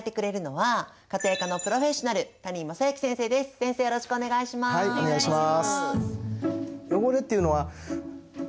はいお願いします。